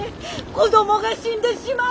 子供が死んでしまう！